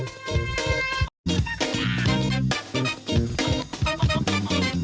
สวัสดีค่ะ